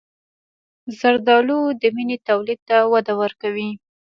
زردآلو د وینې تولید ته وده ورکوي.